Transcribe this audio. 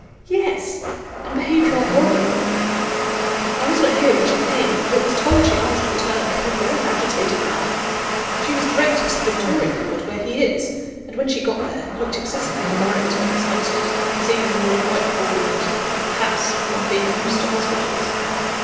"Yes; and behaved rather oddly, I believe. I was not here when she came, but was told she asked for Turner, in a very agitated manner. She was directed to the Victoria Ward, where he is; and when she got there, looked excessively flurried and excited seeing the Ward quite full, and, perhaps, not being used to hospitals.